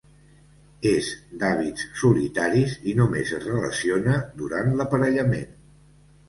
És d'hàbits solitaris i només es relaciona durant l'aparellament.